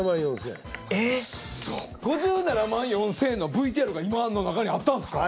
ウッソ５７万４０００円のＶＴＲが今の中にあったんすか？